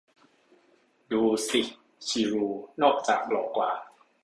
ดูสิ ชิรูด์ นอกจากหล่อกว่า